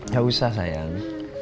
gak usah sayang